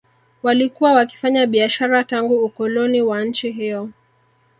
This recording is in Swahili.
Walikuwa wakifanya biashara tangu ukoloni wa nchi hiyo